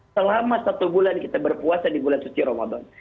selama satu bulan kita berpuasa di bulan suci ramadan